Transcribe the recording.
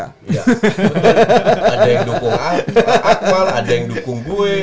ada yang dukung akmal ada yang dukung gue